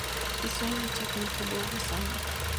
Kiswahili chake ni kibovu sana